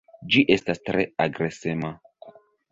Ĝi estas tre agresema.